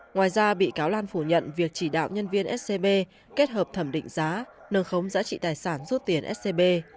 ngoài ra bị cáo lan phủ nhận việc chỉ đạo nhân viên scb kết hợp thẩm định giá nâng khống giá trị tài sản rút tiền scb